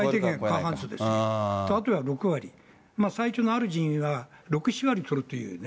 あとは６割、最初のある陣営は６、７割取るというよね。